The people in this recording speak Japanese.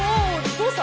どうした？